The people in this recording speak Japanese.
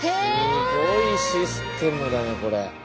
すごいシステムだねこれ。